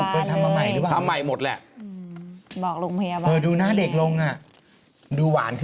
อาจจะทำให้หน้าหวาน